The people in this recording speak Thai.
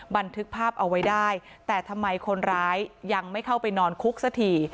บันทึกภาพเอาไว้ได้แต่ทำไมคนร้ายยังไม่เข้าไปนอนคุกสักที